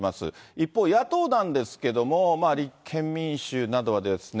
一方、野党なんですけれども、立憲民主などは。